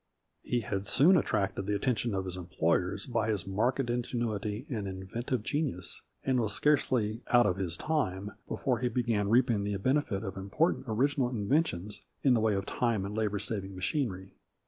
He had soon attracted the attention of his em ployers by his marked ingenuity and inventive genius, and was scarcely " out of his time " be fore he began reaping the benefit of important original inventions, in the way of time and labor saving machinery.